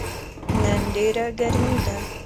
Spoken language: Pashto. نن ډیره ګرمې ده